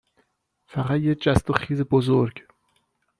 فقط یه جست و خیز بزرگ